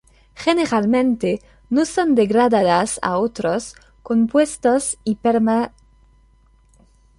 Generalmente no son degradadas a otros compuestos y permanecerán virtualmente inalteradas por largo tiempo.